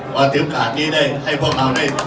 ก่อนถือการที่ให้พวกเขาได้